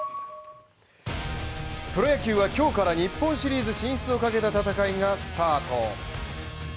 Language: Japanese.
プロ野球は今日から日本シリーズ進出を懸けた戦いがスタート。